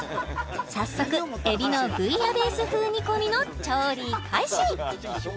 早速えびのブイヤベース風煮込みの調理開始